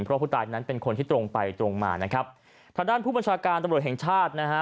เพราะผู้ตายนั้นเป็นคนที่ตรงไปตรงมานะครับทางด้านผู้บัญชาการตำรวจแห่งชาตินะฮะ